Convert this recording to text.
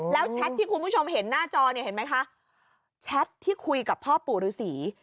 แล้วแชทที่คุณผู้ชมเห็นหน้าจอเนี่ยเห็นไหมคะแชทที่คุยกับพ่อปู่ฤษี